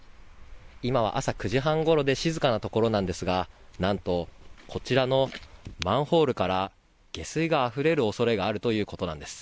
今は朝９時半ごろで静かなところなんですが何と、こちらのマンホールから下水があふれるおそれがあるということなんです。